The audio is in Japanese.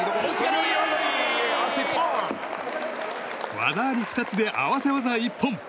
技あり２つで合わせ技一本。